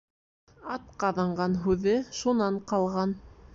«Атҡаҙанған» һүҙе шунан ҡалған.